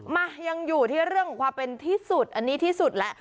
มายังอยู่ที่เรื่องของความเป็นที่สุดอันนี้ที่สุดแล้ว